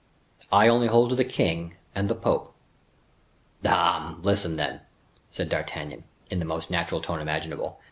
"I only hold to the king and the pope." "Dame! listen then," said D'Artagnan, in the most natural tone imaginable.